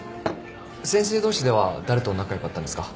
先生同士では誰と仲良かったんですか？